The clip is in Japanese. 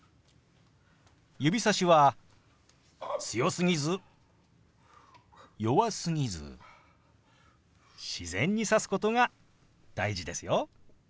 指さしは強すぎず弱すぎず自然に指すことが大事ですよ。